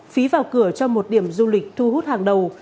phí vào cửa cho một điểm du lịch thu hút hàng đầu